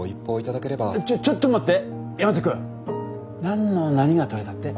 ちょちょちょっと待って山崎君！何の何が取れたって？